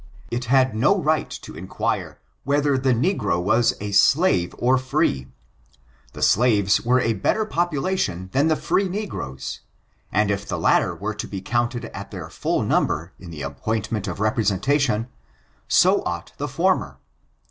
It had no right to inquire whether the negro was a slave or free. The slaves were a better population than the free negroes, and if the latt«r were to be counted at their full number in the appoint ment of representation, so ought the former.